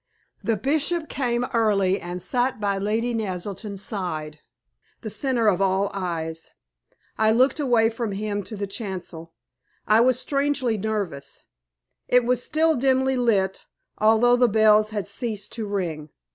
The Bishop came early, and sat by Lady Naselton's side, the centre of all eyes. I looked away from him to the chancel. I was strangely nervous. It was still dimly lit, although the bells had ceased to ring.